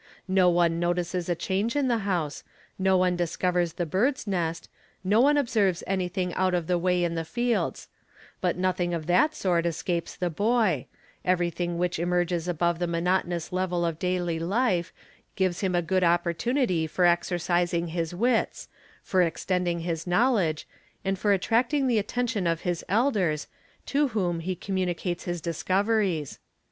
| No one notices a change in the house, no one discovers the bird's nest, no one observes anything out of the way in the fields ; but nothing of that sort escapes the boy, everything which emerges _ above the monotonous level of daily life gives him a good oppor tunity for exercising his wits, for extending his knowledge, and for | attracting the attention of his elders, to whom he communicates his "discoveries.